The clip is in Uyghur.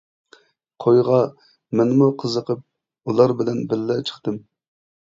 قويغا مەنمۇ قىزىقىپ ئۇلار بىلەن بىللە چىقتىم.